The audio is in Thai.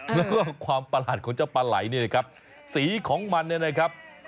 เพราะว่าความประหลาดของเจ้าปลาไหลเนี่ยนะครับสีของมันเนี่ยนะครับ